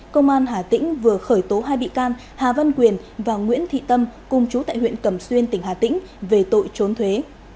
công an hà tĩnh vừa khởi tố hai bị can hà văn quyền và nguyễn thị tâm cùng chú tại huyện cẩm xuyên tỉnh hà tĩnh về tội trốn thuế